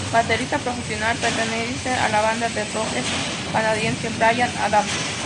Baterista profesional, perteneciente a la banda del rockero canadiense Bryan Adams.